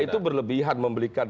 itu berlebihan membelikan